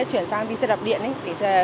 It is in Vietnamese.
chuyển sang đi xe đạp điện để